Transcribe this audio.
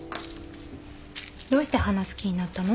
どうして花好きになったの？